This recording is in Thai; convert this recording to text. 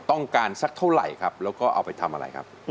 ต้องการสักเท่าไหร่ครับแล้วก็เอาไปทำอะไรครับ